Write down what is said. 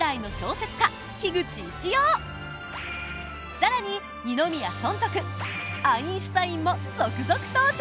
更に二宮尊徳アインシュタインも続々登場！